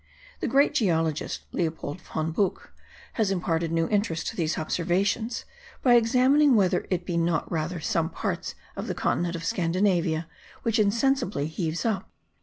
The great geologist, Leopold von Buch, has imparted new interest to these observations by examining whether it be not rather some parts of the continent of Scandinavia which insensibly heaves up.